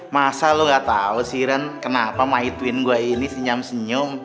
masa lo gatau sih ren kenapa my twin gue ini senyum senyum